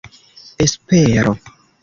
espero